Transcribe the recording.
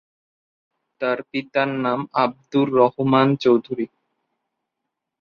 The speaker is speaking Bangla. তার পিতার নাম আব্দুর রহমান চৌধুরী।